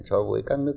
so với các nước